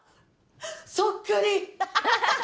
そっくり！